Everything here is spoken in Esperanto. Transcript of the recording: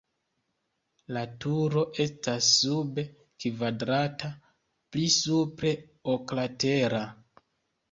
La turo estas sube kvadrata, pli supre oklatera.